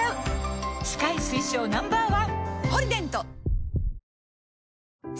歯科医推奨 Ｎｏ．１！